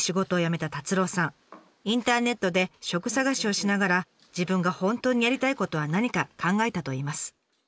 インターネットで職探しをしながら自分が本当にやりたいことは何か考えたといいます。